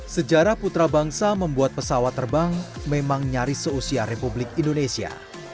sejarah putra bangsa membuat pesawat terbang memang nyaris seusia republik indonesia